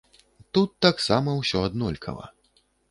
Тут таксама ўсё аднолькава.